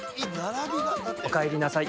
おかえりなさい。